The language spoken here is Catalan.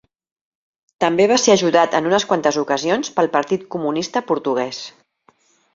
També va ser ajudat en unes quantes ocasions pel Partit Comunista Portuguès.